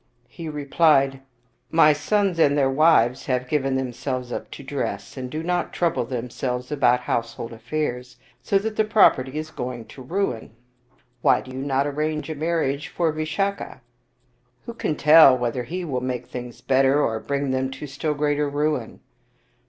He replied, " My sons and their wives have given themselves up to dress, and do not trouble themselves about household affairs, so that the property is going to ruin." " Why do you not arrange a marriage for Visakha? "" Who can tell whether he will make things better, or bring them to still greater ruin